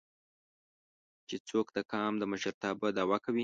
چې څوک د قام د مشرتابه دعوه کوي